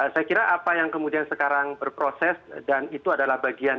saya kira apa yang kemudian sekarang berproses dan itu adalah bagian